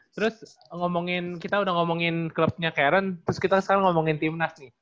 terus ngomongin kita udah ngomongin klubnya karen terus kita sekarang ngomongin timnas nih